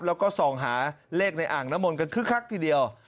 แล้วก็ส่องหาเลขในอ่างน้ำมนต์กันคึกคักทีเดียว